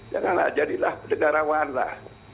janganlah jadilah negarawan lah